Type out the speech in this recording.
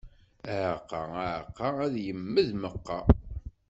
Aɛeqqa, aɛeqqa, ad yemmed meqqa.